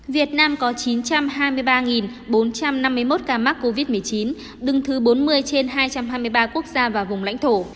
việt nam có chín trăm hai mươi ba bốn trăm năm mươi một ca mắc covid một mươi chín đứng thứ bốn mươi trên hai trăm hai mươi ba quốc gia và vùng lãnh thổ